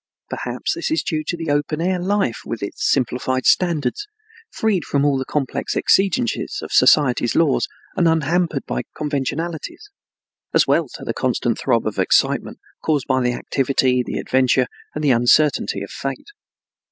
Perhaps this is due to the open air life with its simplified standards, freed from all the complex exigencies of society's laws, and unhampered by conventionalities, as well as to the constant throb of excitement, caused by the activity, the adventure, and the uncertainty of fate.